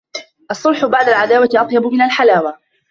الصلح بعد العداوة أطيب من الحلاوة.